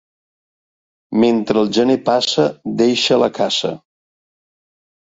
Mentre el gener passa deixa la caça.